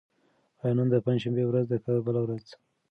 آیا نن د پنجشنبې ورځ ده که بله ورځ؟